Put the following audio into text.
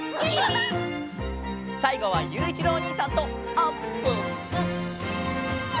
さいごはゆういちろうおにいさんとあっぷっぷ！